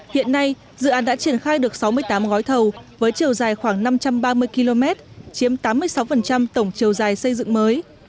hiện nay dự án đã triển khai được sáu mươi tám gói thầu với chiều dài khoảng năm trăm ba mươi km chiếm tám mươi sáu tổng chiều dài xây dựng mới